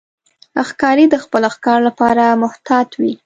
ښکاري د خپل ښکار لپاره محتاط وي.